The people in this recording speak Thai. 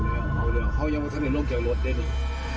เอาแล้วเขายังไม่ทำให้ลงจากรถได้หนึ่ง